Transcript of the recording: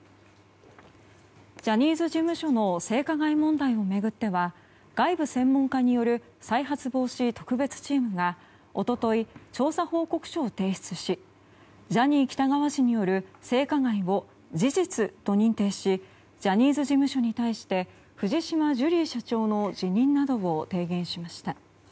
ジャニーズ事務所の性加害問題を巡っては外部専門家による再発防止特別チームが一昨日、調査報告書を提出しジャニー喜多川氏による性加害を事実と認定しジャニーズ事務所に対して藤島ジュリー社長の辞任などを提言しました。